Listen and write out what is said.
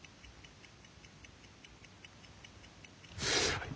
はい。